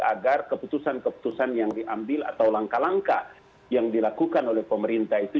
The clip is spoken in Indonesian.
agar keputusan keputusan yang diambil atau langkah langkah yang dilakukan oleh pemerintah itu